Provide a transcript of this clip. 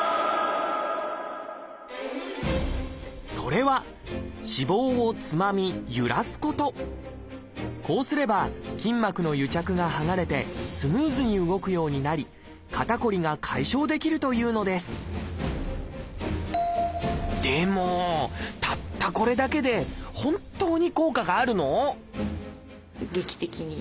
それはこうすれば筋膜の癒着が剥がれてスムーズに動くようになり肩こりが解消できるというのですでもたったこれだけで劇的に？